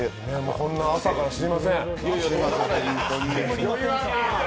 こんな朝からすいません。